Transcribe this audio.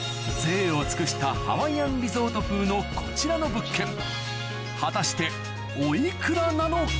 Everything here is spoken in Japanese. いを尽くしたハワイアンリゾート風のこちらの物件果たしておいくらなのか？